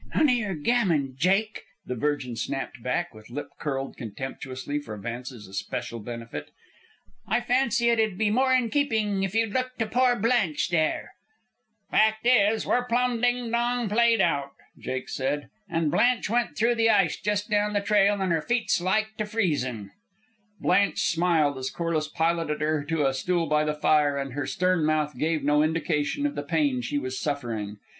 "None o' your gammon, Jake," the Virgin snapped back, with lip curled contemptuously for Vance's especial benefit. "I fancy it'd be more in keeping if you'd look to pore Blanche, there." "Fact is, we're plum ding dong played out," Jake said. "An' Blanche went through the ice just down the trail, and her feet's like to freezin'." Blanche smiled as Corliss piloted her to a stool by the fire, and her stern mouth gave no indication of the pain she was suffering.